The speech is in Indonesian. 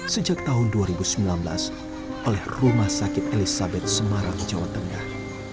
sejak tahun dua ribu sembilan belas oleh rumah sakit elizabeth semarang jawa tengah